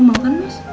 mau kan mas